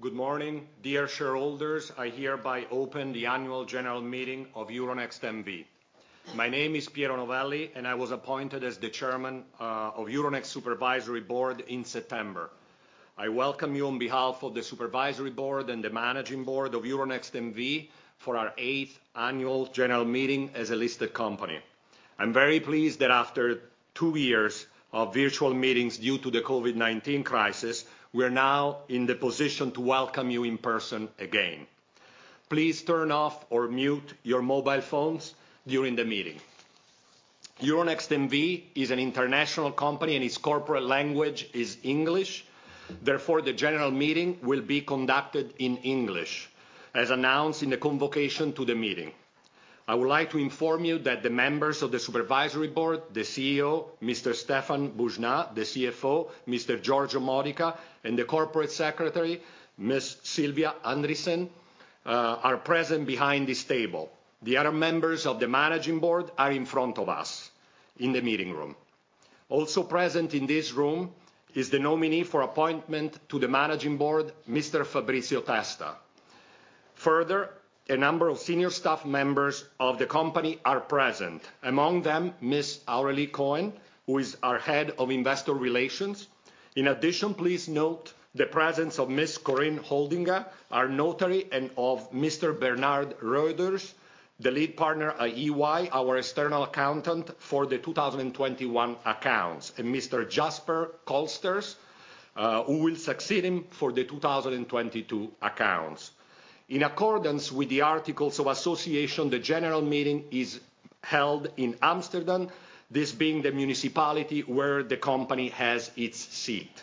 Good morning, dear shareholders. I hereby open the annual general meeting of Euronext N.V. My name is Piero Novelli, and I was appointed as the Chairman of Euronext Supervisory Board in September. I welcome you on behalf of the Supervisory Board and the Managing Board of Euronext N.V. for our eighth annual general meeting as a listed company. I'm very pleased that after two years of virtual meetings due to the COVID-19 crisis, we are now in the position to welcome you in person again. Please turn off or mute your mobile phones during the meeting. Euronext N.V. is an international company, and its corporate language is English. Therefore, the general meeting will be conducted in English, as announced in the convocation to the meeting. I would like to inform you that the members of the Supervisory Board, the CEO, Mr. Stéphane Boujnah, the CFO, Mr. Giorgio Modica, and the corporate secretary, Ms.Sylvie Andriessen, are present behind this table. The other members of the Managing Board are in front of us in the meeting room. Also present in this room is the nominee for appointment to the Managing Board, Mr. Fabrizio Testa. Further, a number of senior staff members of the company are present, among them Ms. Aurélie Cohen, who is our head of investor relations. In addition, please note the presence of Ms. Corien Holdinga, our notary, and of Mr. Bernard Röders, the lead partner at EY, our external accountant for the 2021 accounts, and Mr. Jasper Kolsters, who will succeed him for the 2022 accounts. In accordance with the articles of association, the general meeting is held in Amsterdam, this being the municipality where the company has its seat.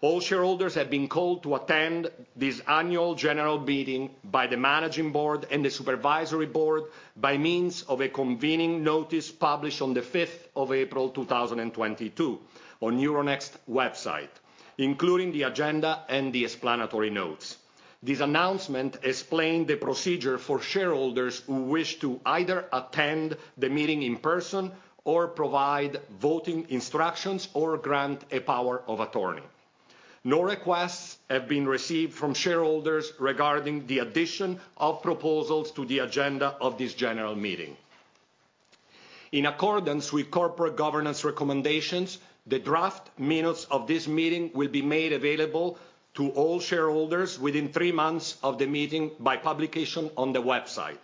All shareholders have been called to attend this annual general meeting by the Managing Board and the Supervisory Board by means of a convening notice published on the fifth of April 2022 on Euronext website, including the agenda and the explanatory notes. This announcement explained the procedure for shareholders who wish to either attend the meeting in person or provide voting instructions or grant a power of attorney. No requests have been received from shareholders regarding the addition of proposals to the agenda of this general meeting. In accordance with corporate governance recommendations, the draft minutes of this meeting will be made available to all shareholders within three months of the meeting by publication on the website,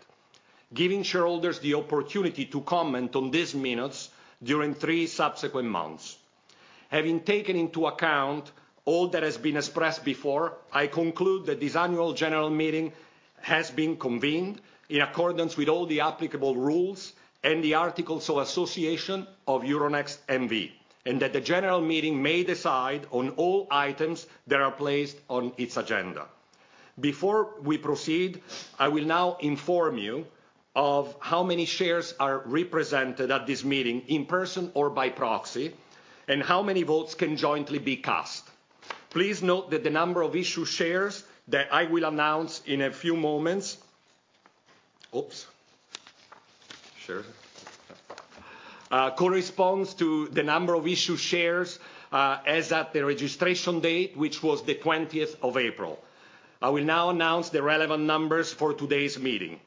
giving shareholders the opportunity to comment on these minutes during three subsequent months. Having taken into account all that has been expressed before, I conclude that this annual general meeting has been convened in accordance with all the applicable rules and the articles of association of Euronext N.V., and that the general meeting may decide on all items that are placed on its agenda. Before we proceed, I will now inform you of how many shares are represented at this meeting in person or by proxy and how many votes can jointly be cast. Please note that the number of issued shares that I will announce in a few moments corresponds to the number of issued shares as at the registration date, which was the twentieth of April. I will now announce the relevant numbers for today's meeting.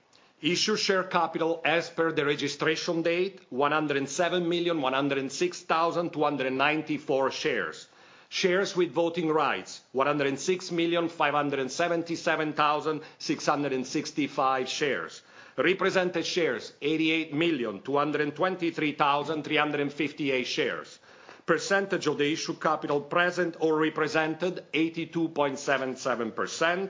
Issued share capital as per the registration date, 107,106,294 shares. Shares with voting rights, 106,577,665 shares. Represented shares, 88,223,358 shares. Percentage of the issued capital present or represented, 82.77%.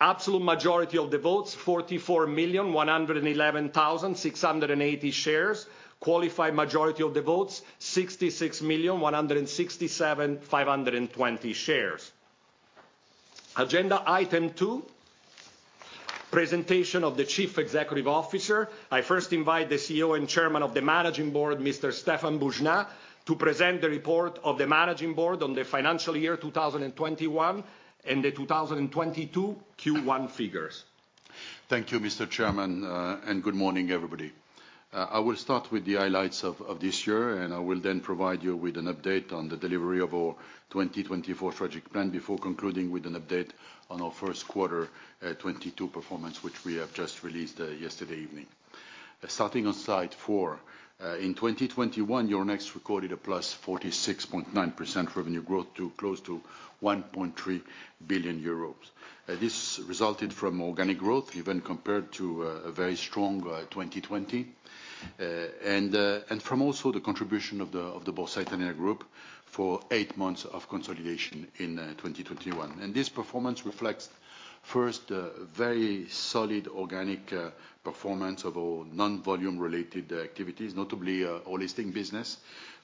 Absolute majority of the votes, 44,111,680 shares. Qualified majority of the votes, 66,167,520 shares. Agenda item two, presentation of the chief executive officer. I first invite the CEO and Chairman of the Managing Board, Mr. Stéphane Boujnah, to present the report of the Managing Board on the financial year 2021 and the 2022 Q1 figures. Thank you, Mr. Chairman, and good morning, everybody. I will start with the highlights of this year, and I will then provide you with an update on the delivery of our 2024 strategic plan before concluding with an update on our Q1 2022 performance, which we have just released yesterday evening. Starting on slide four, in 2021, Euronext recorded +46.9% revenue growth to close to 1.3 billion euros. This resulted from organic growth, even compared to a very strong 2020. And from also the contribution of the Borsa Italiana Group for eight months of consolidation in 2021. This performance reflects, first, a very solid organic performance of our non-volume related activities, notably our listing business,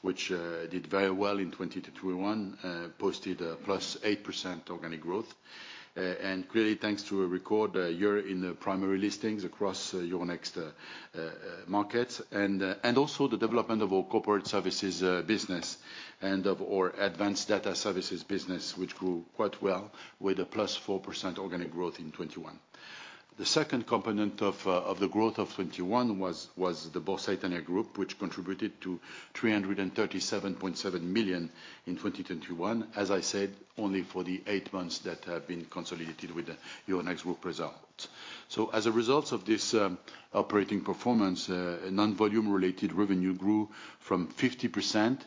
which did very well in 2020-2021, posted a +8% organic growth. Clearly thanks to a record year in the primary listings across Euronext markets and also the development of our corporate services business and of our advanced data services business, which grew quite well with a +4% organic growth in 2021. The second component of the growth of 2021 was the Borsa Italiana Group, which contributed 337.7 million in 2021. As I said, only for the eight months that have been consolidated with the Euronext group results. As a result of this operating performance, non-volume related revenue grew from 50%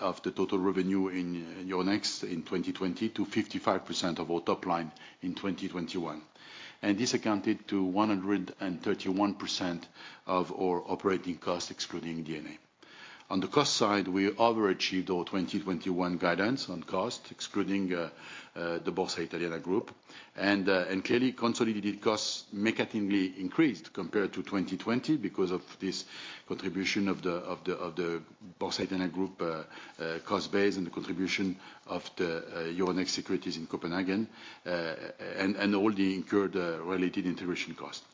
of the total revenue in Euronext in 2020 to 55% of our top line in 2021. This accounted to 131% of our operating costs, excluding D&A. On the cost side, we overachieved our 2021 guidance on cost excluding the Borsa Italiana Group. Clearly consolidated costs significantly increased compared to 2020 because of this contribution of the Borsa Italiana Group cost base and the contribution of the Euronext Securities in Copenhagen. All the incurred related integration costs.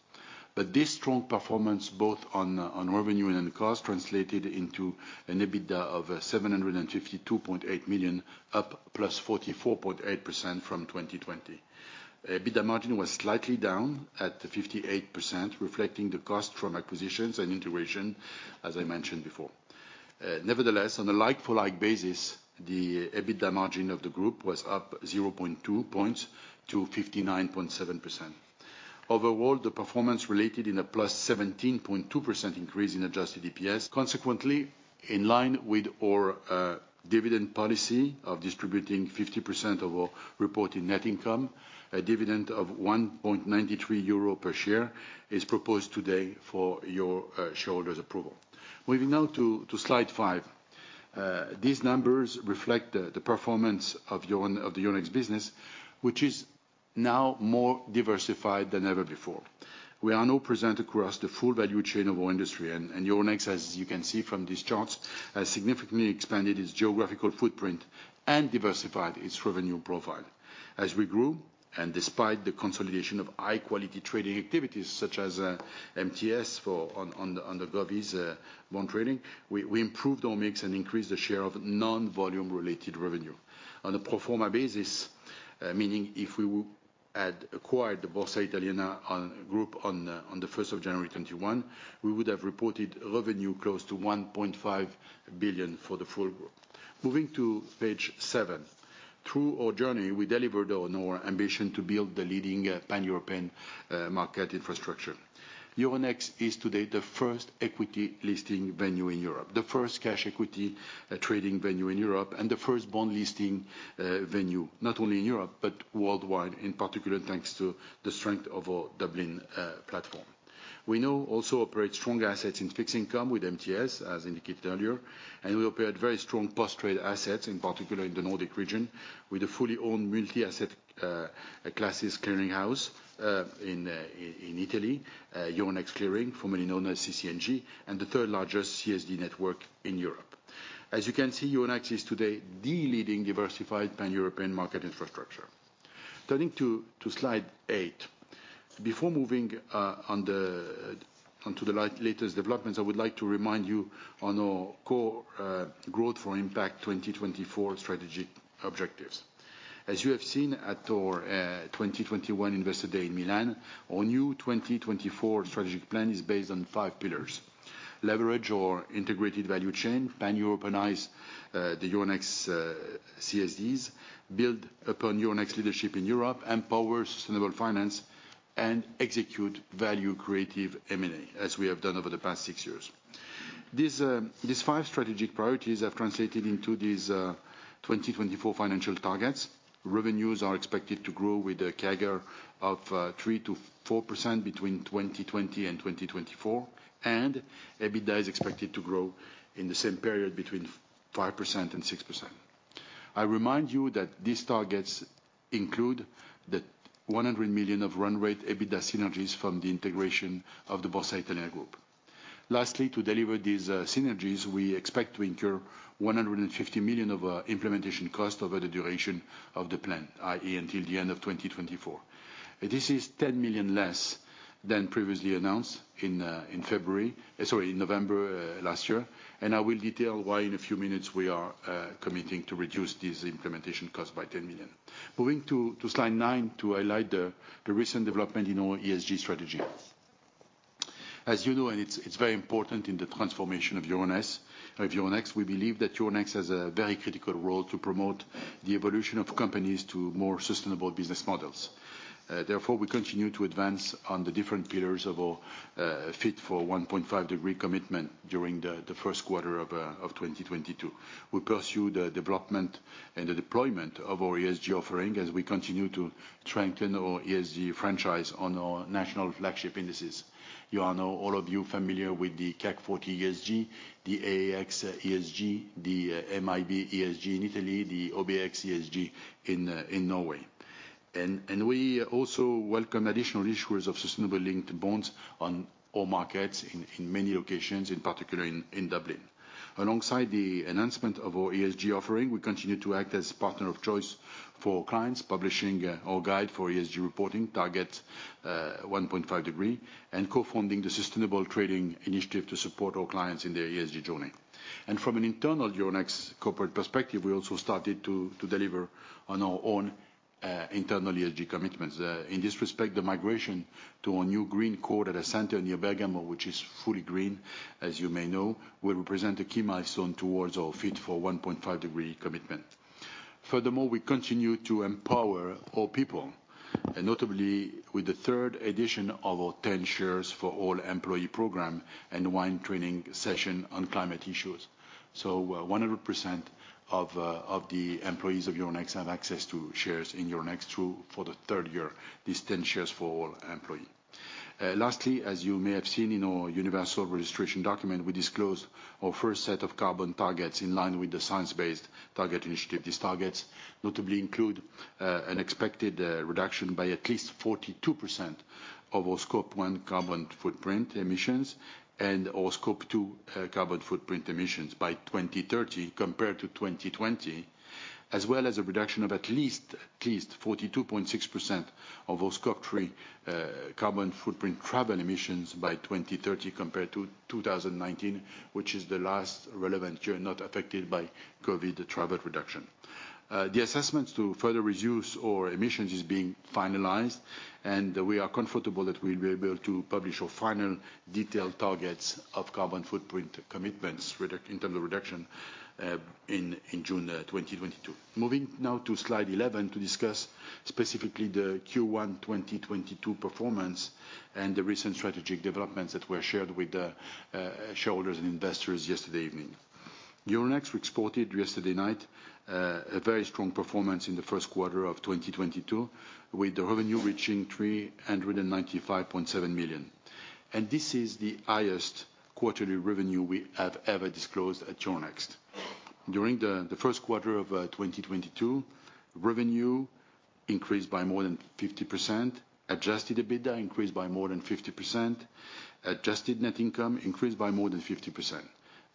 This strong performance, both on revenue and in cost, translated into an EBITDA of 752.8 million, up +44.8% from 2020. EBITDA margin was slightly down at 58%, reflecting the cost from acquisitions and integration, as I mentioned before. Nevertheless, on a like for like basis, the EBITDA margin of the group was up 0.2 points to 59.7%. Overall, the performance resulted in a +17.2% increase in adjusted EPS. Consequently, in line with our dividend policy of distributing 50% of our reported net income, a dividend of 1.93 euro per share is proposed today for shareholders approval. Moving now to slide five. These numbers reflect the performance of the Euronext business, which is now more diversified than ever before. We are now present across the full value chain of our industry, and Euronext, as you can see from these charts, has significantly expanded its geographical footprint and diversified its revenue profile. As we grew, and despite the consolidation of high quality trading activities such as MTS for the GovBonds bond trading, we improved our mix and increased the share of non-volume related revenue. On a pro forma basis, meaning if we would had acquired the Borsa Italiana Group on the first of January 2021, we would have reported revenue close to 1.5 billion for the full group. Moving to page seven. Through our journey, we delivered on our ambition to build the leading Pan-European market infrastructure. Euronext is today the first equity listing venue in Europe. The first cash equity trading venue in Europe, and the first bond listing venue, not only in Europe, but worldwide, in particular, thanks to the strength of our Dublin platform. We now also operate strong assets in fixed income with MTS, as indicated earlier, and we operate very strong post-trade assets, in particular in the Nordic region, with a fully owned multi-asset classes clearing house in Italy, Euronext Clearing, formerly known as CC&G, and the third largest CSD network in Europe. As you can see, Euronext is today the leading diversified Pan-European market infrastructure. Turning to slide eight. Before moving on to the latest developments, I would like to remind you on our core Growth for Impact 2024 strategic objectives. As you have seen at our 2021 Investor Day in Milan, our new 2024 strategic plan is based on five pillars. Leverage our integrated value chain, pan-Europeanize the Euronext CSDs, build upon Euronext's leadership in Europe, empower sustainable finance, and execute value-creating M&A, as we have done over the past six years. These five strategic priorities have translated into these 2024 financial targets. Revenues are expected to grow with a CAGR of 3%-4% between 2020 and 2024. EBITDA is expected to grow in the same period between 5%-6%. I remind you that these targets include the 100 million of run-rate EBITDA synergies from the integration of the Borsa Italiana Group. Lastly, to deliver these synergies, we expect to incur 150 million of implementation costs over the duration of the plan, i.e., until the end of 2024. This is 10 million less than previously announced in November last year. I will detail why in a few minutes we are committing to reduce these implementation costs by 10 million. Moving to slide nine to highlight the recent development in our ESG strategy. As you know, it's very important in the transformation of Euronext, we believe that Euronext has a very critical role to promote the evolution of companies to more sustainable business models. Therefore, we continue to advance on the different pillars of our Fit for 1.5° commitment during the Q1 of 2022. We pursue the development and the deployment of our ESG offering as we continue to strengthen our ESG franchise on our national flagship indices. You are now all of you familiar with the CAC 40 ESG, the AEX ESG, the MIB ESG in Italy, the OBX ESG in Norway. We also welcome additional issuers of sustainable linked bonds on all markets in many locations, in particular in Dublin. Alongside the announcement of our ESG offering, we continue to act as partner of choice for clients, publishing our guide for ESG reporting, target 1.5°, and co-founding the Sustainable Trading initiative to support our clients in their ESG journey. From an internal Euronext corporate perspective, we also started to deliver on our own internal ESG commitments. In this respect, the migration to our new green core data center near Bergamo, which is fully green, as you may know, will represent a key milestone towards our Fit for 1.5° commitment. Furthermore, we continue to empower our people, and notably with the third edition of our 10 shares for all employees program and with training sessions on climate issues. 100% of the employees of Euronext have access to shares in Euronext for the third year, these 10 shares for all employees. Lastly, as you may have seen in our universal registration document, we disclose our first set of carbon targets in line with the Science Based Targets initiative. These targets notably include an expected reduction by at least 42% of our scope one carbon footprint emissions and our scope two carbon footprint emissions by 2030 compared to 2020, as well as a reduction of at least 42.6% of our scope three carbon footprint travel emissions by 2030 compared to 2019, which is the last relevant year not affected by COVID travel reduction. The assessments to further reduce our emissions is being finalized, and we are comfortable that we'll be able to publish our final detailed targets of carbon footprint commitments in terms of reduction in June 2022. Moving now to slide 11 to discuss specifically the Q1 2022 performance and the recent strategic developments that were shared with the shareholders and investors yesterday evening. Euronext reported last night, a very strong performance in the Q1 of 2022, with the revenue reaching 395.7 million. This is the highest quarterly revenue we have ever disclosed at Euronext. During the Q1 of 2022, revenue increased by more than 50%, adjusted EBITDA increased by more than 50%, adjusted net income increased by more than 50%.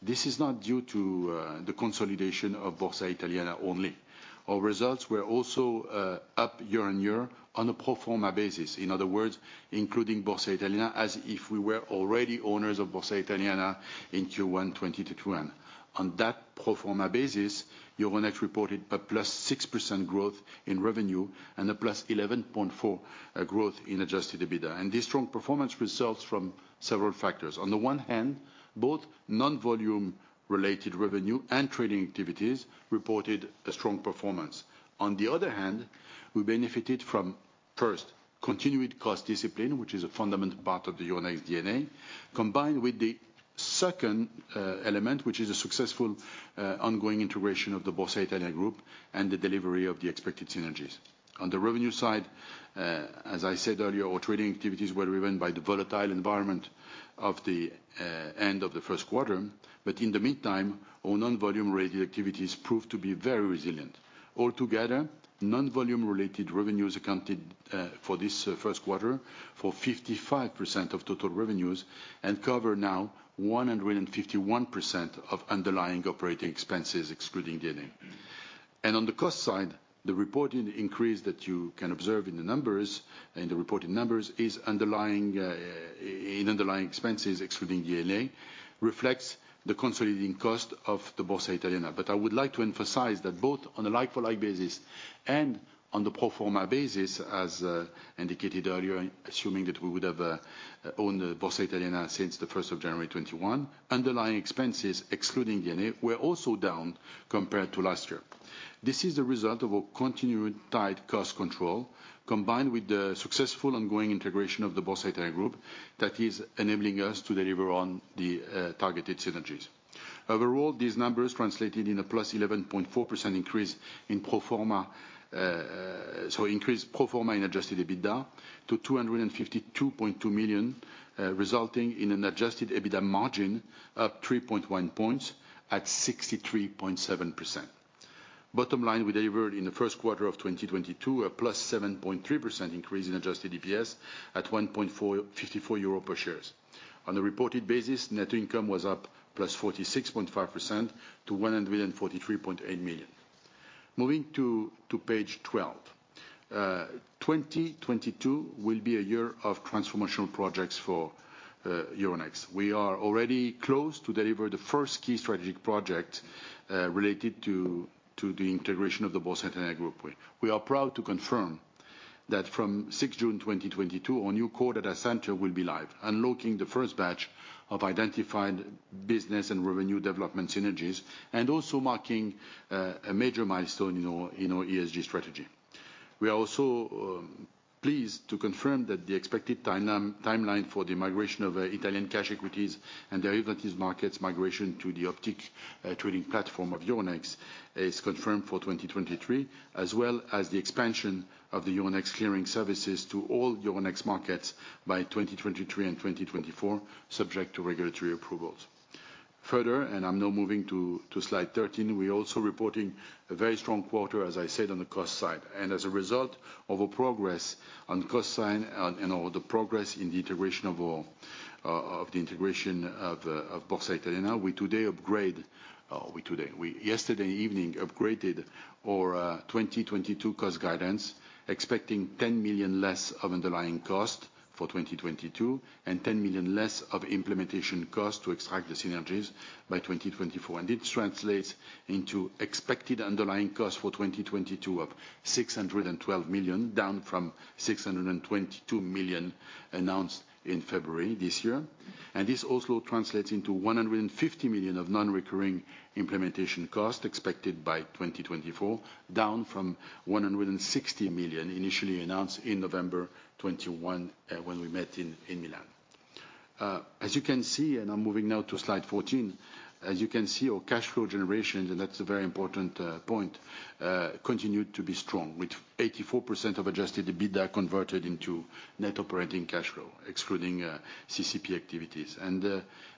This is not due to the consolidation of Borsa Italiana only. Our results were also up year on year on a pro forma basis. In other words, including Borsa Italiana as if we were already owners of Borsa Italiana in Q1 2021. On that pro forma basis, Euronext reported a +6% growth in revenue and a +11.4% growth in adjusted EBITDA. This strong performance results from several factors. On the one hand, both non-volume related revenue and trading activities reported a strong performance. On the other hand, we benefited from, first, continued cost discipline, which is a fundamental part of the Euronext DNA, combined with the second, element, which is a successful, ongoing integration of the Borsa Italiana Group and the delivery of the expected synergies. On the revenue side, as I said earlier, our trading activities were driven by the volatile environment of the end of the Q1. In the meantime, our non-volume related activities proved to be very resilient. Altogether, non-volume related revenues accounted, for this, Q1 for 55% of total revenues and cover now 151% of underlying operating expenses, excluding D&A. On the cost side, the reported increase that you can observe in the numbers, in the reported numbers, is underlying in underlying expenses excluding D&A, reflects the consolidation cost of the Borsa Italiana. I would like to emphasize that both on a like-for-like basis and on the pro forma basis, as indicated earlier, assuming that we would have owned the Borsa Italiana since January 1st, 2021, underlying expenses excluding D&A were also down compared to last year. This is a result of our continued tight cost control, combined with the successful ongoing integration of the Borsa Italiana Group that is enabling us to deliver on the targeted synergies. Overall, these numbers translated in a +11.4% increase in pro forma adjusted EBITDA to 252.2 million, resulting in an adjusted EBITDA margin of 3.1 points at 63.7%. Bottom line, we delivered in the Q1 of 2022 a +7.3% increase in adjusted EPS at 0.1454 euro per share. On a reported basis, net income was up +46.5% to 143.8 million. Moving to page 12. 2022 will be a year of transformational projects for Euronext. We are already close to deliver the first key strategic project related to the integration of the Borsa Italiana Group. We are proud to confirm that from 6th June 2022, our new core data center will be live, unlocking the first batch of identified business and revenue development synergies and also marking a major milestone in our ESG strategy. We are also pleased to confirm that the expected timeline for the migration of Italian cash equities and derivatives markets to the Optiq trading platform of Euronext is confirmed for 2023, as well as the expansion of the Euronext Clearing services to all Euronext markets by 2023 and 2024, subject to regulatory approvals. Further, I'm now moving to slide 13, we're also reporting a very strong quarter, as I said, on the cost side. As a result of our progress on cost side and all the progress in the integration of our integration of Borsa Italiana, we yesterday evening upgraded our 2022 cost guidance, expecting 10 million less of underlying cost for 2022 and 10 million less of implementation cost to extract the synergies by 2024. This translates into expected underlying cost for 2022 of 612 million, down from 622 million announced in February this year. This also translates into 150 million of non-recurring implementation cost expected by 2024, down from 160 million initially announced in November 2021, when we met in Milan. As you can see, and I'm moving now to slide 14, as you can see, our cash flow generation, and that's a very important point, continued to be strong. With 84% of adjusted EBITDA converted into net operating cash flow, excluding CCP activities.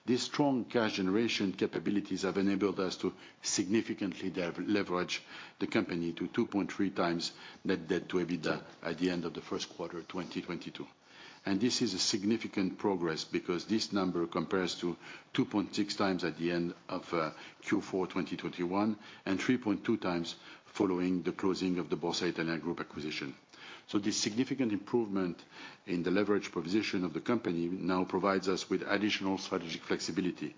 These strong cash generation capabilities have enabled us to significantly deleverage the company to 2.3 times net debt to EBITDA at the end of the Q1 of 2022. This is a significant progress because this number compares to 2.6 times at the end of Q4 2021, and 3.2 times following the closing of the Borsa Italiana Group acquisition. The significant improvement in the leverage position of the company now provides us with additional strategic flexibility.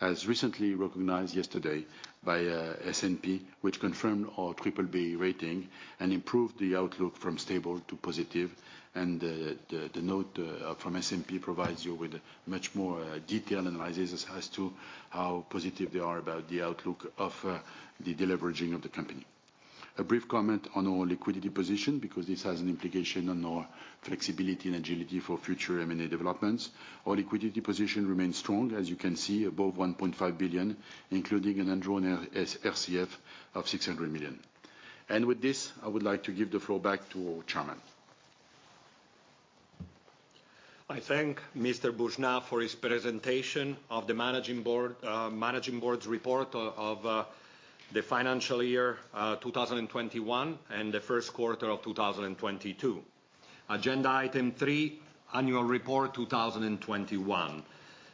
As recently recognized yesterday by S&P, which confirmed our BBB rating and improved the outlook from stable to positive. The note from S&P provides you with much more detailed analysis as to how positive they are about the outlook of the deleveraging of the company. A brief comment on our liquidity position, because this has an implication on our flexibility and agility for future M&A developments. Our liquidity position remains strong, as you can see, above 1.5 billion, including an undrawn RCF of 600 million. With this, I would like to give the floor back to our chairman. I thank Mr. Stéphane Boujnah for his presentation of the managing board's report of the financial year 2021 and the Q1 of 2022. Agenda item three: Annual report 2021.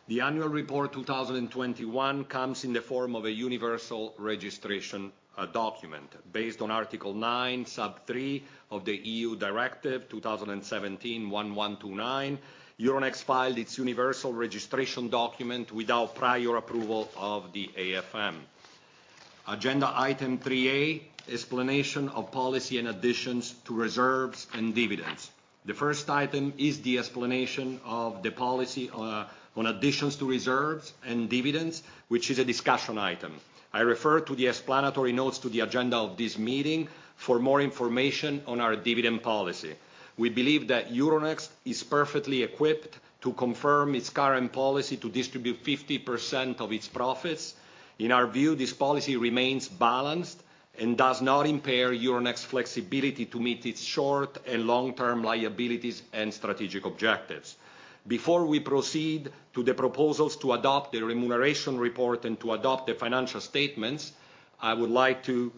The annual report 2021 comes in the form of a universal registration document. Based on Article nine, sub three of the EU Directive 2017/1129, Euronext filed its universal registration document without prior approval of the AFM. Agenda item three A: Explanation of policy and additions to reserves and dividends. The first item is the explanation of the policy on additions to reserves and dividends, which is a discussion item. I refer to the explanatory notes to the agenda of this meeting for more information on our dividend policy. We believe that Euronext is perfectly equipped to confirm its current policy to distribute 50% of its profits. In our view, this policy remains balanced and does not impair Euronext's flexibility to meet its short and long-term liabilities and strategic objectives. Before we proceed to the proposals to adopt the remuneration report and to adopt the financial statements, I would like to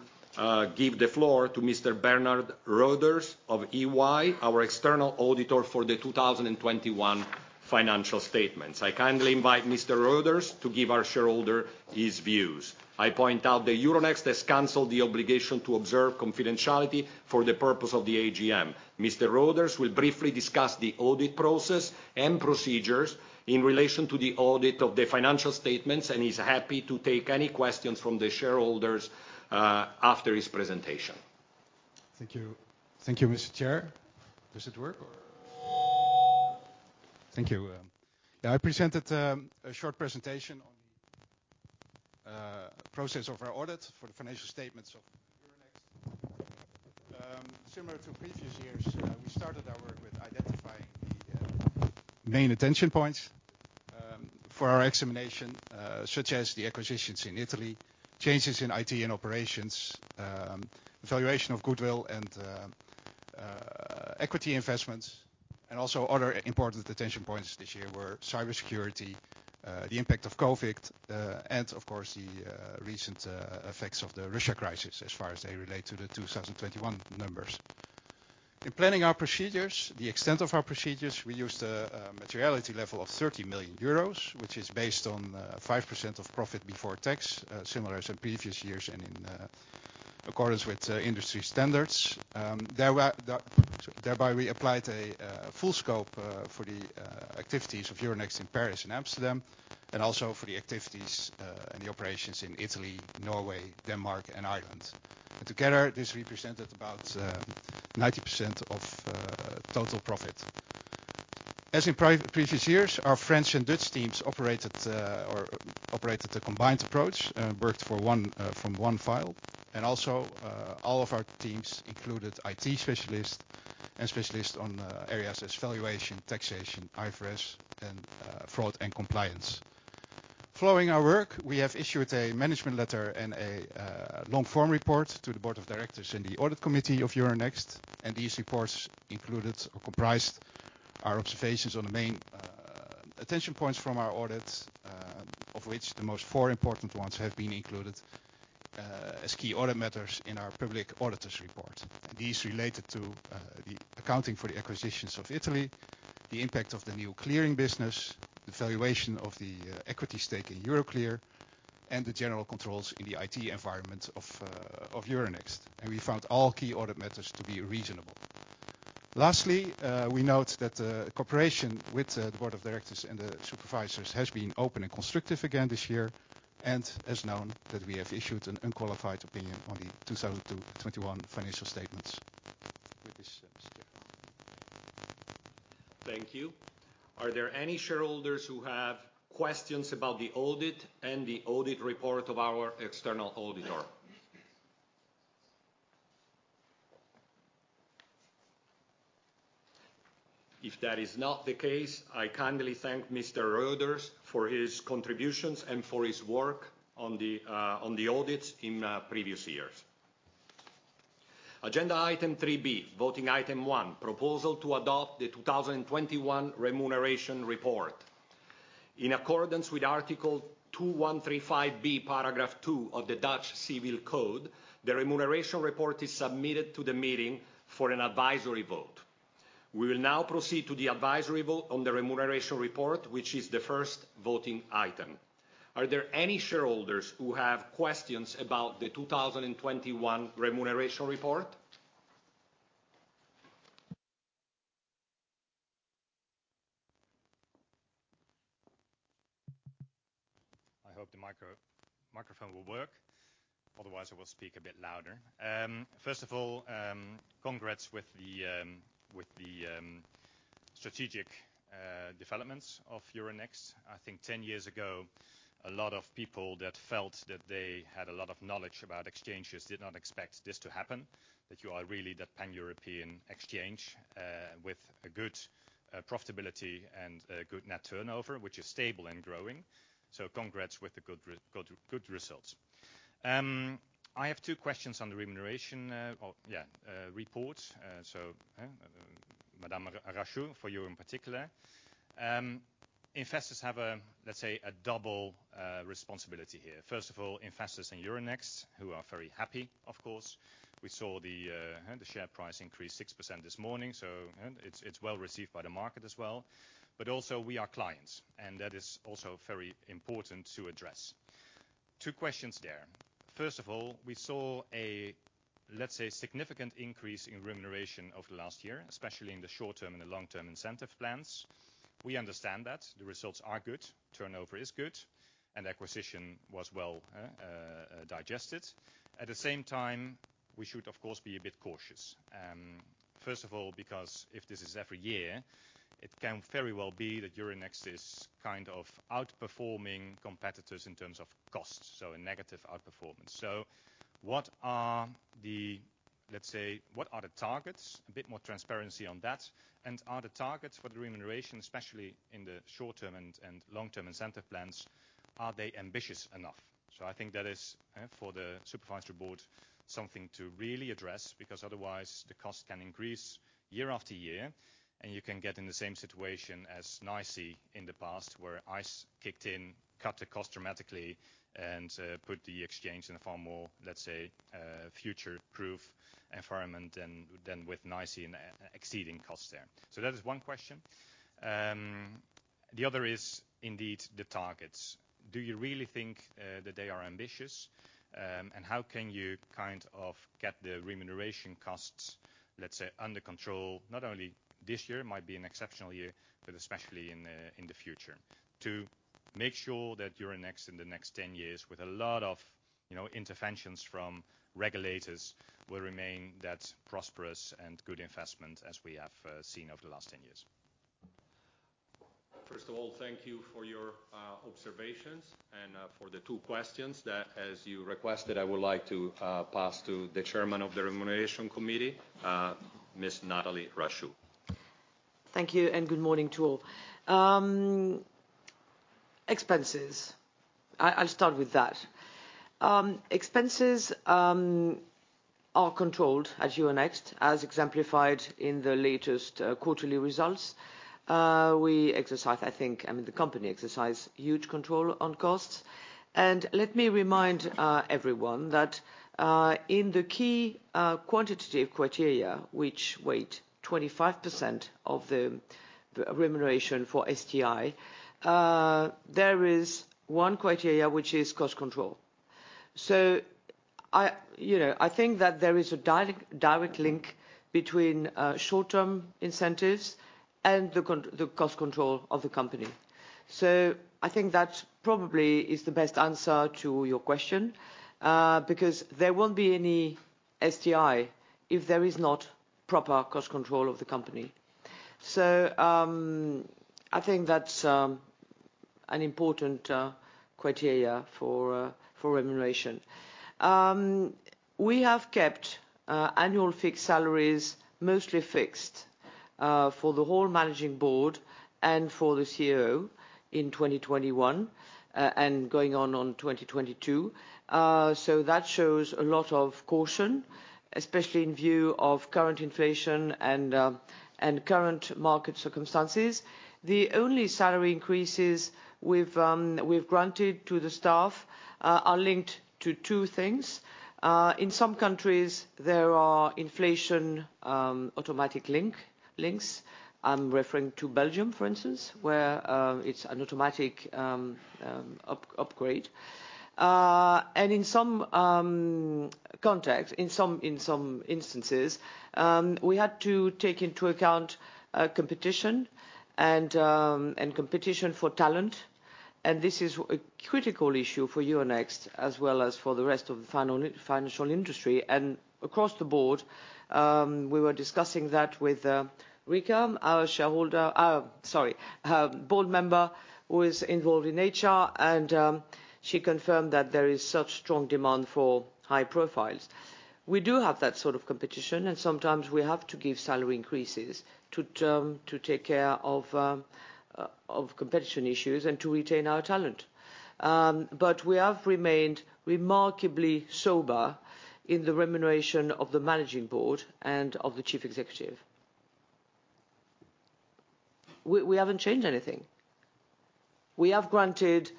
give the floor to Mr. Bernard Röders of EY, our external auditor for the 2021 financial statements. I kindly invite Mr. Röders to give our shareholder his views. I point out that Euronext has canceled the obligation to observe confidentiality for the purpose of the AGM. Mr. Röders will briefly discuss the audit process and procedures in relation to the audit of the financial statements, and he's happy to take any questions from the shareholders after his presentation. Thank you. Thank you, Mr. Chair. Does it work? Thank you. Yeah, I presented a short presentation on process of our audit for the financial statements of Euronext. Similar to previous years, we started our work with identifying the main attention points for our examination such as the acquisitions in Italy, changes in IT and operations, evaluation of goodwill and equity investments. Also, other important attention points this year were cybersecurity, the impact of COVID, and of course, the recent effects of the Russia crisis as far as they relate to the 2021 numbers. In planning our procedures, the extent of our procedures, we used a materiality level of 30 million euros, which is based on 5% of profit before tax, similar as in previous years and in accordance with industry standards. Thereby, we applied a full scope for the activities of Euronext in Paris and Amsterdam, and also for the activities and the operations in Italy, Norway, Denmark, and Ireland. Together, this represented about 90% of total profit. As in previous years, our French and Dutch teams operated a combined approach, worked from one file. Also, all of our teams included IT specialists and specialists on areas as valuation, taxation, IFRS, and fraud and compliance. Following our work, we have issued a management letter and a long form report to the board of directors and the audit committee of Euronext, and these reports included or comprised our observations on the main attention points from our audit, of which the four most important ones have been included as key audit matters in our public auditor's report. These related to the accounting for the acquisitions of Italy, the impact of the new clearing business, the valuation of the equity stake in Euroclear, and the general controls in the IT environment of Euronext. We found all key audit matters to be reasonable. Lastly, we note that the cooperation with the board of directors and the supervisors has been open and constructive again this year, and as known, that we have issued an unqualified opinion on the 2021 financial statements with this, statement. Thank you. Are there any shareholders who have questions about the audit and the audit report of our external auditor? If that is not the case, I kindly thank Mr. Röders for his contributions and for his work on the audits in previous years. Agenda item 3B, voting item one. Proposal to adopt the 2021 Remuneration Report. In accordance with Article 2:135b, paragraph two of the Dutch Civil Code, the Remuneration Report is submitted to the meeting for an advisory vote. We will now proceed to the advisory vote on the Remuneration Report, which is the first voting item. Are there any shareholders who have questions about the 2021 Remuneration Report? I hope the microphone will work. Otherwise, I will speak a bit louder. First of all, congrats with the strategic developments of Euronext. I think 10 years ago, a lot of people that felt that they had a lot of knowledge about exchanges did not expect this to happen, that you are really that pan-European exchange, with a good profitability and a good net turnover, which is stable and growing. Congrats with the good results. I have two questions on the remuneration report. Madame Rachou, for you in particular. Investors have a, let's say, a double responsibility here. First of all, investors in Euronext, who are very happy, of course. We saw the share price increase 6% this morning, so it's well-received by the market as well. But also, we are clients, and that is also very important to address. Two questions there. First of all, we saw a, let's say, significant increase in remuneration over the last year, especially in the short-term and the long-term incentive plans. We understand that. The results are good, turnover is good, and acquisition was well digested. At the same time, we should, of course, be a bit cautious. First of all, because if this is every year, it can very well be that Euronext is kind of outperforming competitors in terms of cost, so a negative outperformance. So what are the, let's say, what are the targets? A bit more transparency on that. Are the targets for the remuneration, especially in the short-term and long-term incentive plans, ambitious enough? I think that is for the Supervisory Board something to really address, because otherwise the cost can increase year after year, and you can get in the same situation as NYSE in the past, where ICE kicked in, cut the cost dramatically and put the exchange in a far more, let's say, future-proof environment than with NYSE and exceeding costs there. That is one question. The other is indeed the targets. Do you really think that they are ambitious? how can you kind of get the remuneration costs, let's say, under control, not only this year, might be an exceptional year, but especially in the future to make sure that Euronext in the next 10 years with a lot of, you know, interventions from regulators, will remain that prosperous and good investment as we have seen over the last 10 years? First of all, thank you for your observations and for the two questions that, as you requested, I would like to pass to the Chairman of the Remuneration Committee, Miss Nathalie Rachou. Thank you, good morning to all. Expenses, I'll start with that. Expenses are controlled at Euronext, as exemplified in the latest quarterly results. We exercise, I think, I mean, the company exercise huge control on costs. Let me remind everyone that, in the key quantitative criteria, which weight 25% of the remuneration for STI, there is one criteria which is cost control. I, you know, I think that there is a direct link between short-term incentives and the cost control of the company. I think that probably is the best answer to your question, because there won't be any STI if there is not proper cost control of the company. I think that's an important criteria for remuneration. We have kept annual fixed salaries mostly fixed for the whole Managing Board and for the CEO in 2021 and going on in 2022. That shows a lot of caution, especially in view of current inflation and current market circumstances. The only salary increases we've granted to the staff are linked to two things. In some countries, there are inflation automatic links. I'm referring to Belgium, for instance, where it's an automatic upgrade. In some context, in some instances, we had to take into account competition and competition for talent. This is a critical issue for Euronext as well as for the rest of the financial industry. Across the board, we were discussing that with Rika, our board member who is involved in HR, and she confirmed that there is such strong demand for high profiles. We do have that sort of competition, and sometimes we have to give salary increases to take care of competition issues and to retain our talent. We have remained remarkably sober in the remuneration of the Managing Board and of the chief executive. We haven't changed anything. We have granted,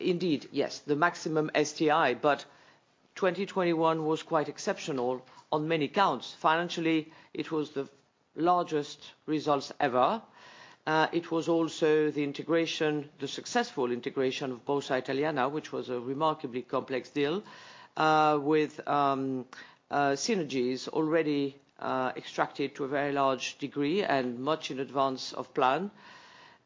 indeed, yes, the maximum STI, but 2021 was quite exceptional on many counts. Financially, it was the largest results ever. It was also the integration, the successful integration of Borsa Italiana, which was a remarkably complex deal, with synergies already extracted to a very large degree and much in advance of plan.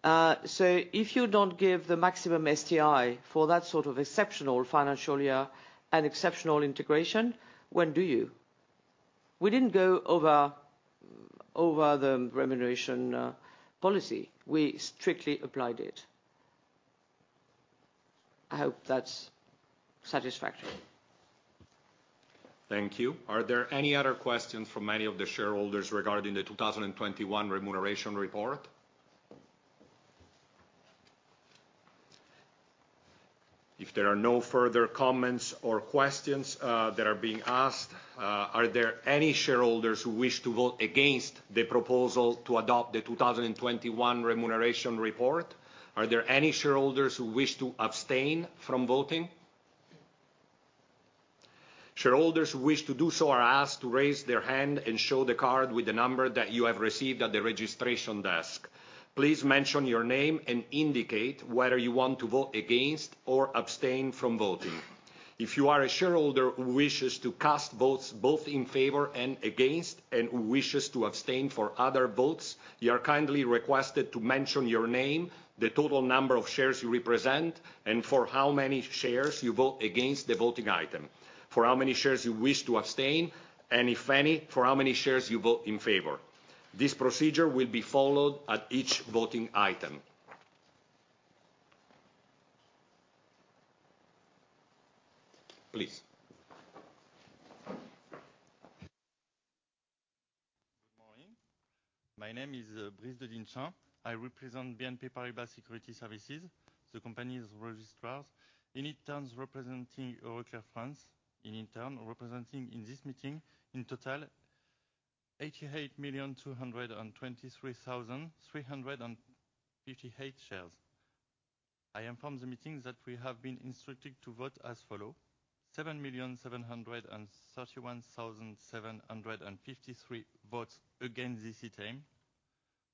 If you don't give the maximum STI for that sort of exceptional financial year and exceptional integration, when do you? We didn't go over the remuneration policy. We strictly applied it. I hope that's satisfactory. Thank you. Are there any other questions from any of the shareholders regarding the 2021 remuneration report? If there are no further comments or questions that are being asked, are there any shareholders who wish to vote against the proposal to adopt the 2021 remuneration report? Are there any shareholders who wish to abstain from voting? Shareholders who wish to do so are asked to raise their hand and show the card with the number that you have received at the registration desk. Please mention your name and indicate whether you want to vote against or abstain from voting. If you are a shareholder who wishes to cast votes both in favor and against and who wishes to abstain for other votes, you are kindly requested to mention your name, the total number of shares you represent, and for how many shares you vote against the voting item, for how many shares you wish to abstain, and if any, for how many shares you vote in favor. This procedure will be followed at each voting item. Please. Good morning. My name is Brice De Dinchat. I represent BNP Paribas Securities Services, the company's registrars, in turn representing Euroclear France, in turn representing in this meeting in total 88,223,358 shares. I inform the meeting that we have been instructed to vote as follows, 7,731,753 votes against this item,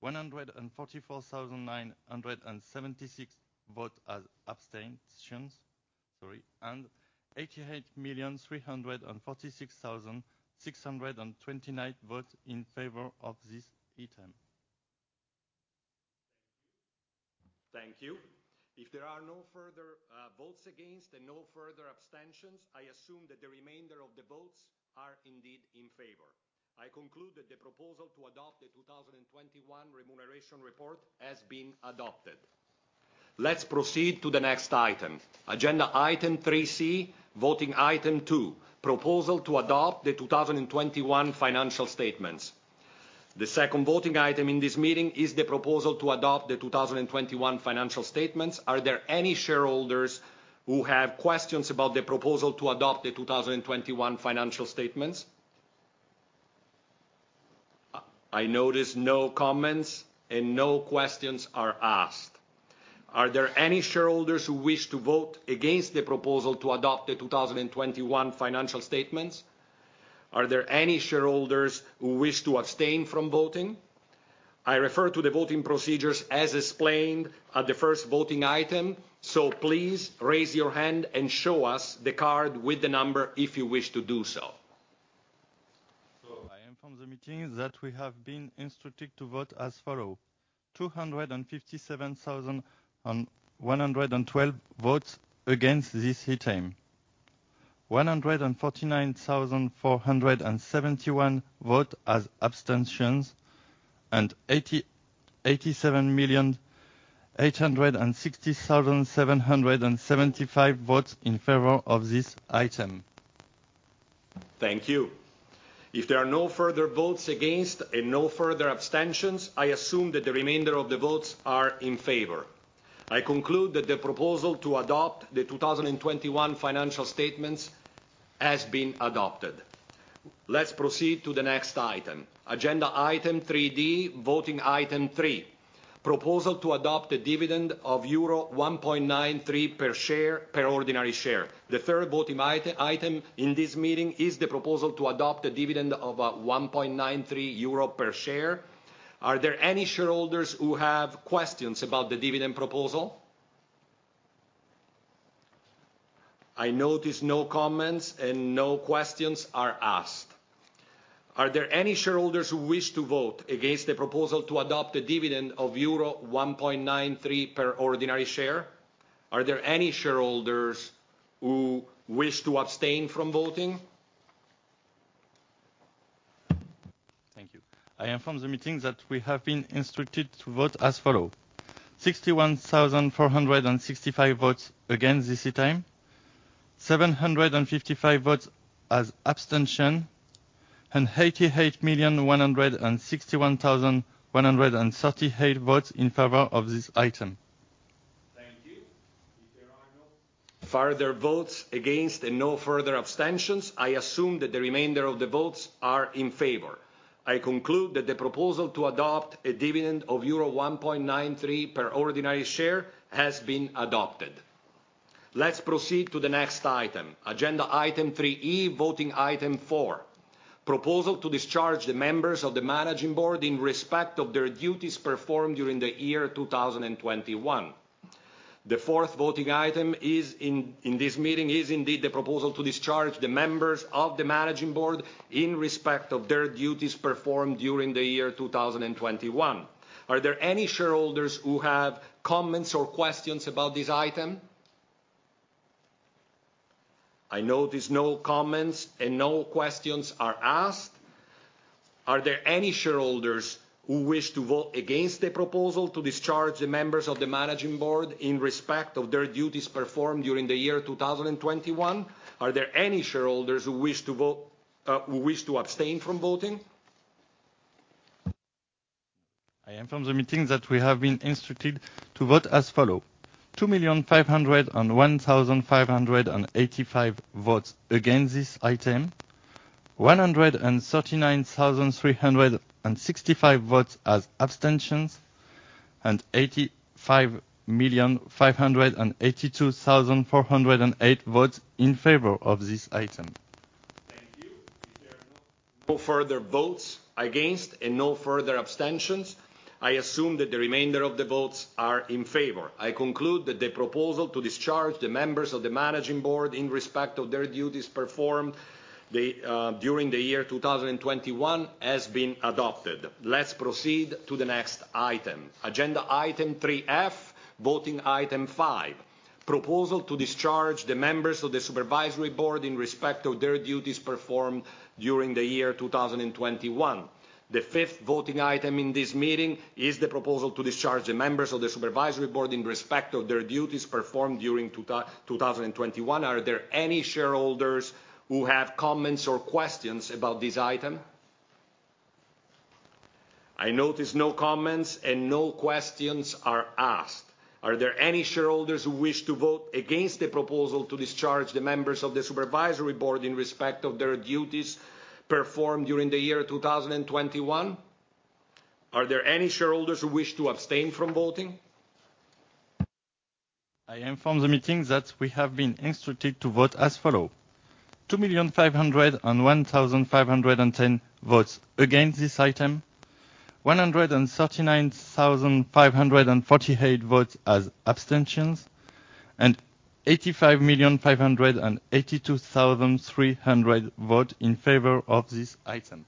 144,976 votes as abstentions, sorry, and 88,346,629 votes in favor of this item. Thank you. If there are no further votes against and no further abstentions, I assume that the remainder of the votes are indeed in favor. I conclude that the proposal to adopt the 2021 remuneration report has been adopted. Let's proceed to the next item. Agenda item three C, voting item two, proposal to adopt the 2021 financial statements. The second voting item in this meeting is the proposal to adopt the 2021 financial statements. Are there any shareholders who have questions about the proposal to adopt the 2021 financial statements? I notice no comments and no questions are asked. Are there any shareholders who wish to vote against the proposal to adopt the 2021 financial statements? Are there any shareholders who wish to abstain from voting? I refer to the voting procedures as explained at the first voting item, so please raise your hand and show us the card with the number if you wish to do so. I inform the meeting that we have been instructed to vote as follow, 257,112 votes against this item, 149,471 vote as abstentions, and 87,860,775 votes in favor of this item. Thank you. If there are no further votes against and no further abstentions, I assume that the remainder of the votes are in favor. I conclude that the proposal to adopt the 2021 financial statements has been adopted. Let's proceed to the next item. Agenda item three D, voting item three. Proposal to adopt a dividend of euro 1.93 per share, per ordinary share. The third voting item in this meeting is the proposal to adopt a dividend of 1.93 euro per share. Are there any shareholders who have questions about the dividend proposal? I notice no comments and no questions are asked. Are there any shareholders who wish to vote against the proposal to adopt a dividend of euro 1.93 per ordinary share? Are there any shareholders who wish to abstain from voting? Thank you. I inform the meeting that we have been instructed to vote as follow: 61,465 votes against this item, 755 votes as abstention, and 88,161,138 votes in favor of this item. Thank you. If there are no further votes against and no further abstentions, I assume that the remainder of the votes are in favor. I conclude that the proposal to adopt a dividend of euro 1.93 per ordinary share has been adopted. Let's proceed to the next item, agenda item 3E, voting item four, proposal to discharge the members of the Managing Board in respect of their duties performed during the year 2021. The fourth voting item in this meeting is indeed the proposal to discharge the members of the Managing Board in respect of their duties performed during the year 2021. Are there any shareholders who have comments or questions about this item? I notice no comments and no questions are asked. Are there any shareholders who wish to vote against the proposal to discharge the members of the Managing Board in respect of their duties performed during the year 2021? Are there any shareholders who wish to abstain from voting? I inform the meeting that we have been instructed to vote as follows: 2,501,585 votes against this item, 139,365 votes as abstentions, and 85,582,408 votes in favor of this item. Thank you. If there are no further votes against and no further abstentions, I assume that the remainder of the votes are in favor. I conclude that the proposal to discharge the members of the Managing Board in respect of their duties performed during the year 2021 has been adopted. Let's proceed to the next item. Agenda item three F, voting item five, proposal to discharge the members of the supervisory board in respect of their duties performed during the year 2021. The fifth voting item in this meeting is the proposal to discharge the members of the Supervisory Board in respect of their duties performed during 2021. Are there any shareholders who have comments or questions about this item? I notice no comments and no questions are asked. Are there any shareholders who wish to vote against the proposal to discharge the members of the Supervisory Board in respect of their duties performed during the year 2021? Are there any shareholders who wish to abstain from voting? I inform the meeting that we have been instructed to vote as follows: 2,501,510 votes against this item, 139,548 votes as abstentions, and 85,582,300 votes in favor of this item.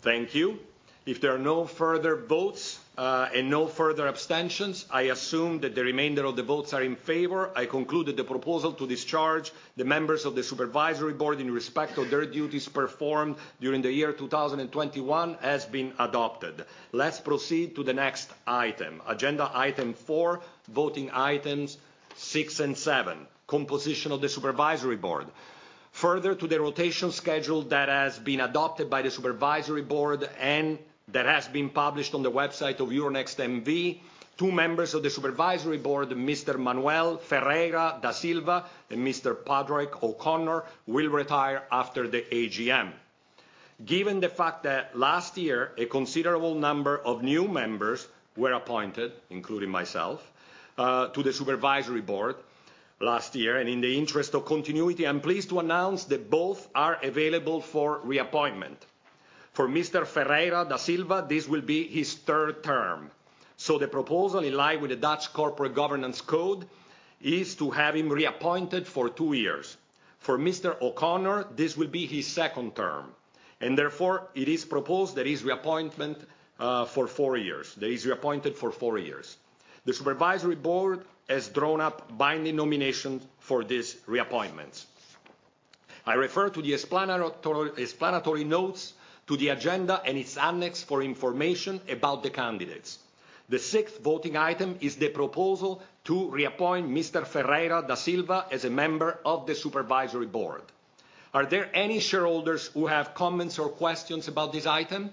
Thank you. If there are no further votes, and no further abstentions, I assume that the remainder of the votes are in favor. I conclude that the proposal to discharge the members of the Supervisory Board in respect of their duties performed during the year 2021 has been adopted. Let's proceed to the next item. Agenda item four, voting items six and seven, composition of the Supervisory Board. Further to the rotation schedule that has been adopted by the Supervisory Board and that has been published on the website of Euronext N.V., two members of the Supervisory Board, Mr. Manuel Ferreira De Silva and Mr. Padraig O'Connor, will retire after the AGM. Given the fact that last year a considerable number of new members were appointed, including myself, to the Supervisory Board last year, and in the interest of continuity, I'm pleased to announce that both are available for reappointment. For Mr. Ferreira da Silva, this will be his third term. The proposal in line with the Dutch Corporate Governance Code is to have him reappointed for two years. For Mr. O'Connor, this will be his second term, and therefore, it is proposed that his reappointment for four years, that he's reappointed for four years. The Supervisory Board has drawn up binding nominations for these reappointments. I refer to the explanatory notes to the agenda and its annex for information about the candidates. The sixth voting item is the proposal to reappoint Mr. Ferreira da Silva as a member of the Supervisory Board. Are there any shareholders who have comments or questions about this item?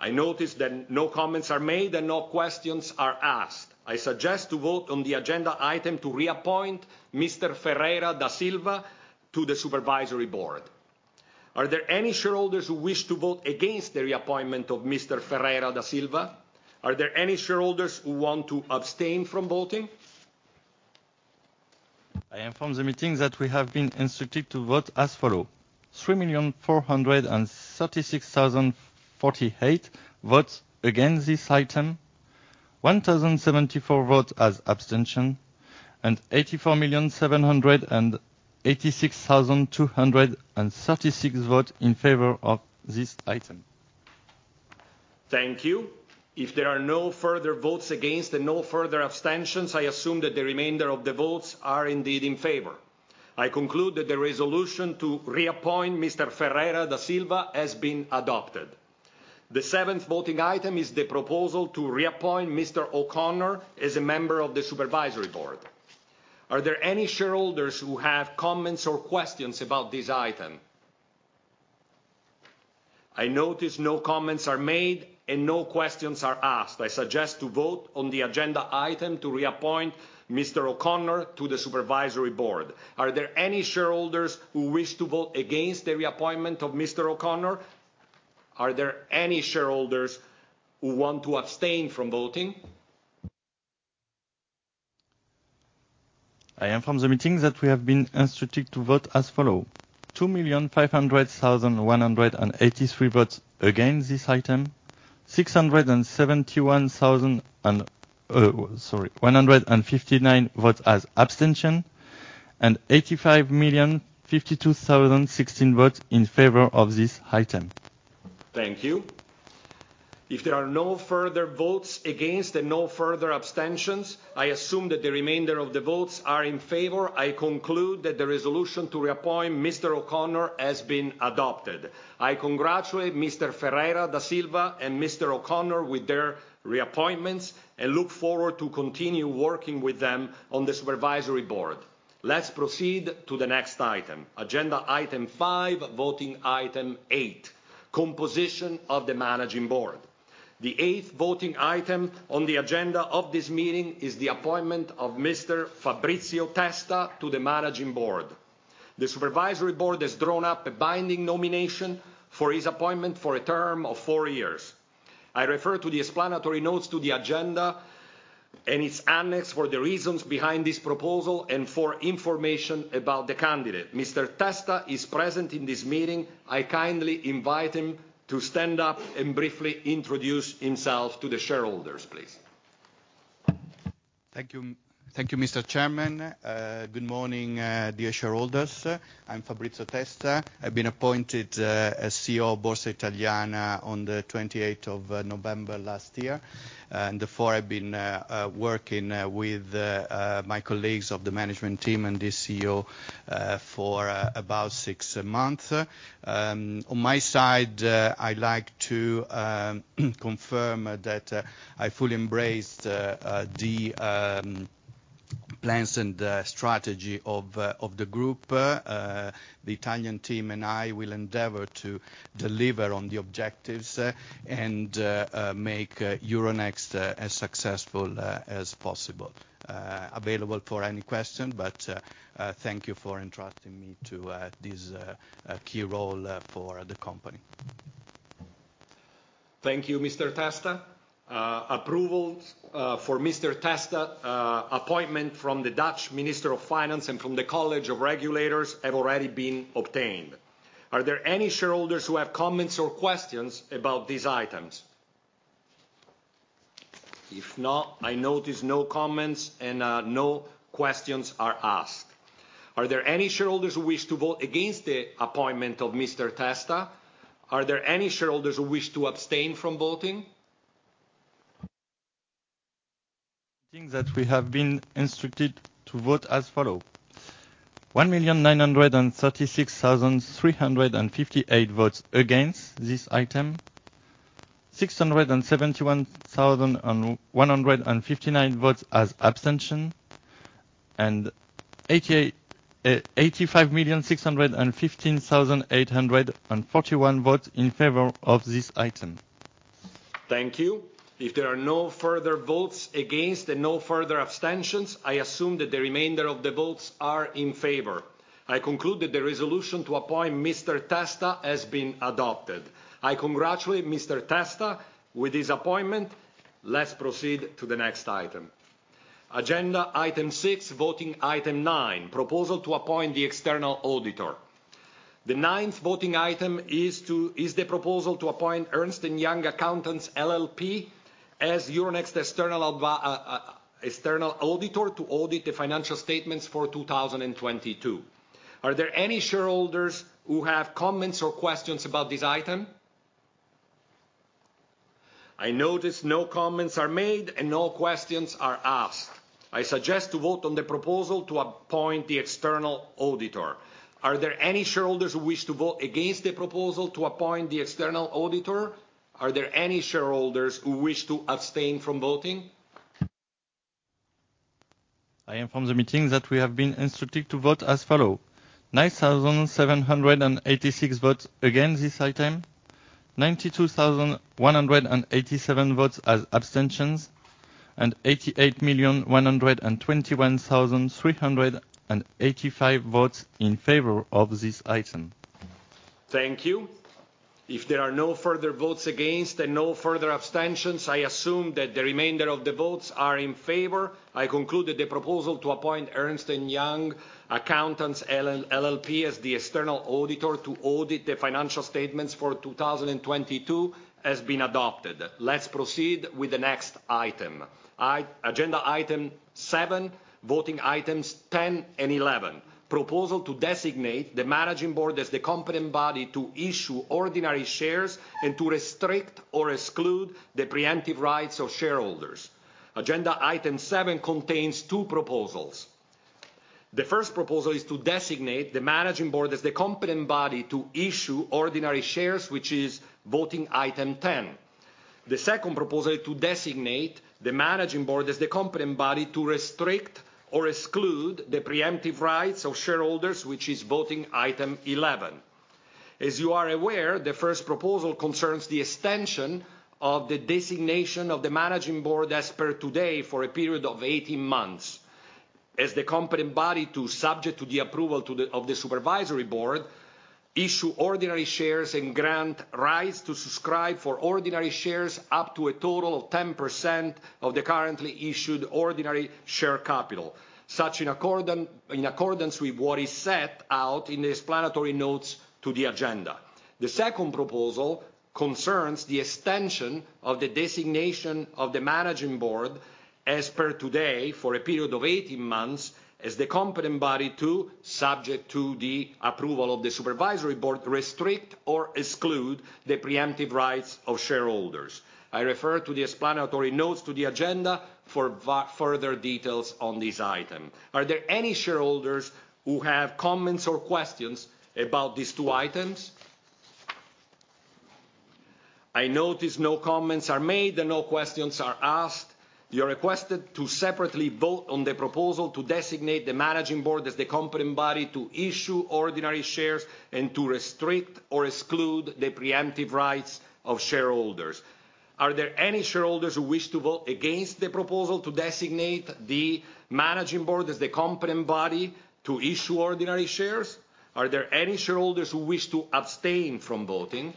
I notice that no comments are made and no questions are asked. I suggest to vote on the agenda item to reappoint Mr. Ferreira da Silva to the supervisory board. Are there any shareholders who wish to vote against the reappointment of Mr. Ferreira da Silva? Are there any shareholders who want to abstain from voting? I inform the meeting that we have been instructed to vote as follow: 3,436,048 votes against this item, 1,074 votes as abstention, and 84,786,236 votes in favor of this item. Thank you. If there are no further votes against and no further abstentions, I assume that the remainder of the votes are indeed in favor. I conclude that the resolution to reappoint Mr. Ferreira Da Silva has been adopted. The seventh voting item is the proposal to reappoint Mr. O'Connor as a member of the Supervisory Board. Are there any shareholders who have comments or questions about this item? I notice no comments are made and no questions are asked. I suggest to vote on the agenda item to reappoint Mr. O'Connor to the Supervisory Board. Are there any shareholders who wish to vote against the reappointment of Mr. O'Connor? Are there any shareholders who want to abstain from voting? I inform the meeting that we have been instructed to vote as follow: 2,500,183 votes against this item, 671,159 votes as abstention, and 85,052,016 votes in favor of this item. Thank you. If there are no further votes against and no further abstentions, I assume that the remainder of the votes are in favor. I conclude that the resolution to reappoint Mr. O'Connor has been adopted. I congratulate Mr. Ferreira da Silva and Mr. O'Connor with their reappointments and look forward to continuing working with them on the Supervisory Board. Let's proceed to the next item, agenda item five, voting item eight, composition of the Managing Board. The eighth voting item on the agenda of this meeting is the appointment of Mr. Fabrizio Testa to theManaging Board. The Supervisory Board has drawn up a binding nomination for his appointment for a term of four years. I refer to the explanatory notes to the agenda and its annex for the reasons behind this proposal and for information about the candidate. Mr. Testa is present in this meeting. I kindly invite him to stand up and briefly introduce himself to the shareholders, please. Thank you. Thank you, Mr. Chairman. Good morning, dear shareholders. I'm Fabrizio Testa. I've been appointed as CEO of Borsa Italiana on the twenty-eighth of November last year, and therefore I've been working with my colleagues of the management team and the CEO for about six month. On my side, I'd like to confirm that I fully embrace the plans and the strategy of the group. The Italian team and I will endeavor to deliver on the objectives and make Euronext as successful as possible. Available for any question, but thank you for entrusting me to this key role for the company. Thank you, Mr. Testa. Approval for Mr. Testa appointment from the Dutch Minister of Finance and from the College of Regulators have already been obtained. Are there any shareholders who have comments or questions about these items? If not, I notice no comments and no questions are asked. Are there any shareholders who wish to vote against the appointment of Mr. Testa? Are there any shareholders who wish to abstain from voting? think that we have been instructed to vote as follows: 1,936,358 votes against this item, 671,159 votes as abstention, and 85,615,841 votes in favor of this item. Thank you. If there are no further votes against and no further abstentions, I assume that the remainder of the votes are in favor. I conclude that the resolution to appoint Mr. Testa has been adopted. I congratulate Mr. Testa with his appointment. Let's proceed to the next item. Agenda item six, voting item nine: proposal to appoint the external auditor. The ninth voting item is the proposal to appoint Ernst & Young Accountants LLP as Euronext external auditor to audit the financial statements for 2022. Are there any shareholders who have comments or questions about this item? I notice no comments are made and no questions are asked. I suggest to vote on the proposal to appoint the external auditor. Are there any shareholders who wish to vote against the proposal to appoint the external auditor? Are there any shareholders who wish to abstain from voting? I inform the meeting that we have been instructed to vote as follows: 9,786 votes against this item, 92,187 votes as abstentions, and 88,121,385 votes in favor of this item. Thank you. If there are no further votes against and no further abstentions, I assume that the remainder of the votes are in favor. I conclude that the proposal to appoint Ernst & Young Accountants LLP as the external auditor to audit the financial statements for 2022 has been adopted. Let's proceed with the next item. Agenda item seven, voting items ten and eleven. Proposal to designate the Managing Board as the competent body to issue ordinary shares and to restrict or exclude the preemptive rights of shareholders. Agenda item seven contains two proposals. The first proposal is to designate the Managing Board as the competent body to issue ordinary shares, which is voting item ten. The second proposal to designate the Managing Board as the competent body to restrict or exclude the preemptive rights of shareholders, which is voting item eleven. As you are aware, the first proposal concerns the extension of the designation of theManaging Board as per today for a period of 18 months. As the competent body, subject to the approval of the Supervisory Board, to issue ordinary shares and grant rights to subscribe for ordinary shares up to a total of 10% of the currently issued ordinary share capital. Such in accordance with what is set out in the explanatory notes to the agenda. The second proposal concerns the extension of the designation of the Managing Board as per today for a period of 18 months as the competent body, subject to the approval of the Supervisory Board, to restrict or exclude the preemptive rights of shareholders. I refer to the explanatory notes to the agenda for further details on this item. Are there any shareholders who have comments or questions about these two items? I notice no comments are made and no questions are asked. You're requested to separately vote on the proposal to designate the Managing Board as the competent body to issue ordinary shares and to restrict or exclude the preemptive rights of shareholders. Are there any shareholders who wish to vote against the proposal to designate the Managing Board as the competent body to issue ordinary shares? Are there any shareholders who wish to abstain from voting?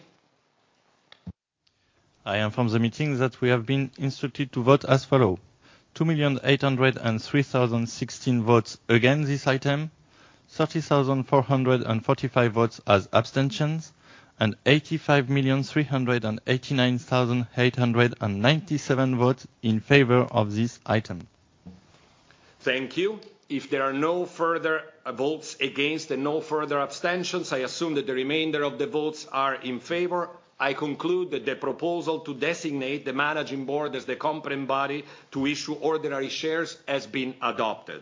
I inform the meeting that we have been instructed to vote as follow. 2,803,016 votes against this item, 30,445 votes as abstentions, and 85,389,897 votes in favor of this item. Thank you. If there are no further votes against and no further abstentions, I assume that the remainder of the votes are in favor. I conclude that the proposal to designate the Managing Board as the competent body to issue ordinary shares has been adopted.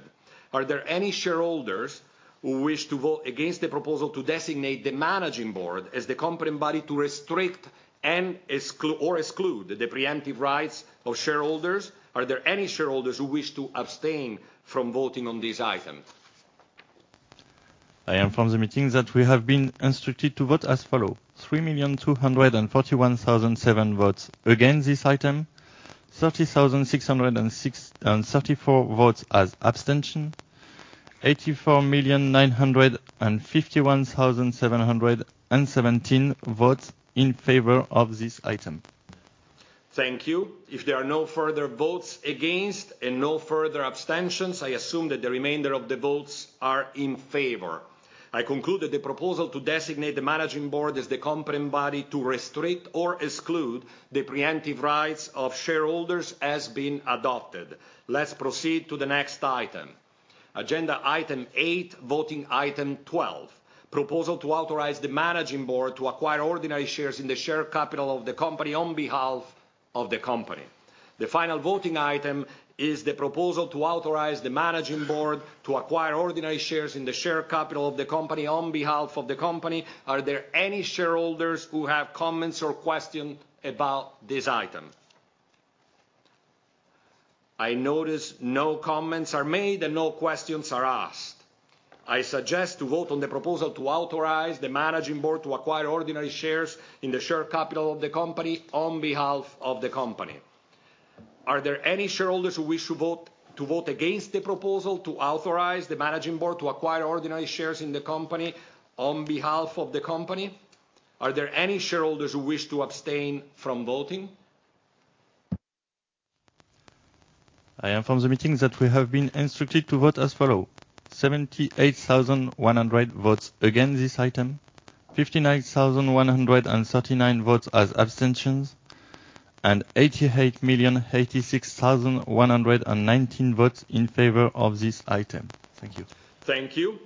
Are there any shareholders who wish to vote against the proposal to designate the Managing Board as the competent body to restrict or exclude the preemptive rights of shareholders? Are there any shareholders who wish to abstain from voting on this item? I inform the meeting that we have been instructed to vote as follow. 3,241,007 votes against this item, 30,606, and 34 votes as abstention, 84,951,717 votes in favor of this item. Thank you. If there are no further votes against and no further abstentions, I assume that the remainder of the votes are in favor. I conclude that the proposal to designate the Managing Board as the competent body to restrict or exclude the preemptive rights of shareholders has been adopted. Let's proceed to the next item. Agenda item eight, voting item 12. Proposal to authorize the Managing Board to acquire ordinary shares in the share capital of the company on behalf of the company. The final voting item is the proposal to authorize the Managing Board to acquire ordinary shares in the share capital of the company on behalf of the company. Are there any shareholders who have comments or question about this item? I notice no comments are made and no questions are asked. I suggest to vote on the proposal to authorize the Managing Board to acquire ordinary shares in the share capital of the company on behalf of the company. Are there any shareholders who wish to vote, to vote against the proposal to authorize the Managing Board to acquire ordinary shares in the company on behalf of the company? Are there any shareholders who wish to abstain from voting? I inform the meeting that we have been instructed to vote as follow. 78,100 votes against this item, 59,139 votes as abstentions, and 88,086,119 votes in favor of this item. Thank you. Thank you.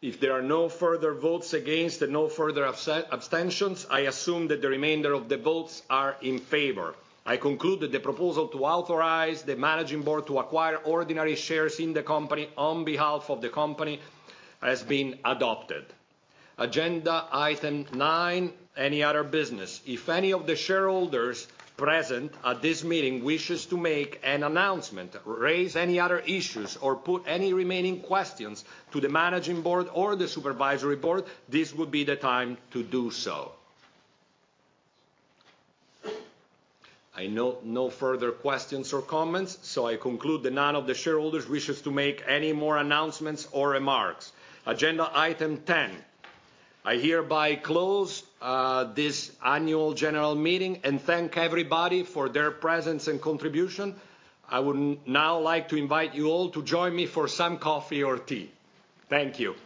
If there are no further votes against and no further abstentions, I assume that the remainder of the votes are in favor. I conclude that the proposal to authorize the Managing Board to acquire ordinary shares in the company on behalf of the company has been adopted. Agenda item nine, any other business. If any of the shareholders present at this meeting wishes to make an announcement, raise any other issues, or put any remaining questions to the Managing Board or the Supervisory Board, this would be the time to do so. I note no further questions or comments, so I conclude that none of the shareholders wishes to make any more announcements or remarks. Agenda item ten, I hereby close this annual general meeting and thank everybody for their presence and contribution. I would now like to invite you all to join me for some coffee or tea. Thank you. Thank you.